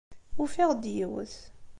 Ufiɣ-d yiwet.